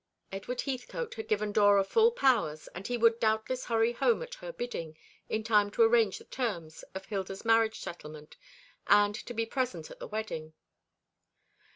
Edward Heathcote had given Dora full powers, and he would doubtless hurry home at her bidding in time to arrange the terms of Hilda's marriage settlement, and to be present at the wedding.